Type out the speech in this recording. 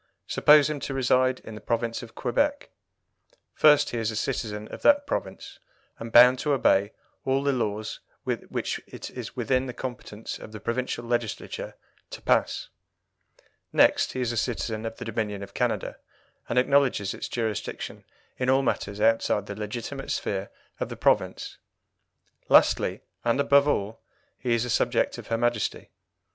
Suppose him to reside in the province of Quebec. First, he is a citizen of that province, and bound to obey all the laws which it is within the competence of the provincial Legislature to pass. Next, he is a citizen of the Dominion of Canada, and acknowledges its jurisdiction in all matters outside the legitimate sphere of the province. Lastly, and above all, he is a subject of her Majesty.